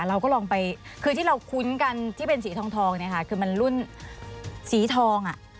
เราก็ลองไปคือที่เราคุ้นกันที่เป็นสีทองเนี่ยค่ะคือมันรุ่นสีทองอ่ะ